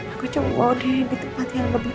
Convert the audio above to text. aku cuma mau nindi di tempat yang lebih